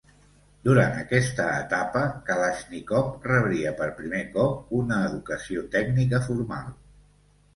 Durant aquesta etapa Kalàixnikov rebria per primer cop una educació tècnica formal.